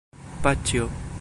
paĉjo